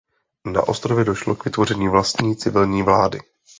Na ostrově došlo k vytvoření vlastní civilní vlády.